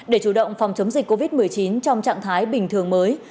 để chủ động phòng chống dịch covid một mươi chín trong trạng thái bình thường mới